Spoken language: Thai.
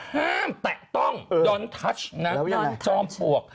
แฮ่มแตะต้องโดนทัชนะจอมปวก